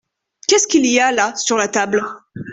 Qu’est-ce qu’il y a là sur la table ?